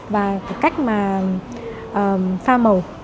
và cách mà pha màu